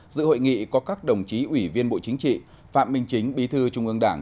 dự hội nghị có các đồng chí ủy viên bộ chính trị phạm minh chính bí thư trung ương đảng